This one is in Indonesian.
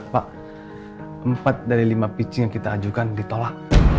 pak empat dari lima pitching yang kita ajukan ditolak